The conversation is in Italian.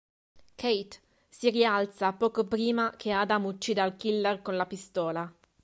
Kate, si rialza poco prima che Adam uccida il killer con la pistola.